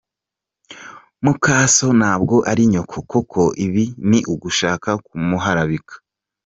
Mukaso ntabwo ari nyoko koko ibi ni ugushaka kumuharabika!”.